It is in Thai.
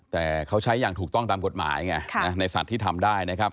แต่เขาใช้อย่างถูกต้องตามกฎหมายไงในสัตว์ที่ทำได้นะครับ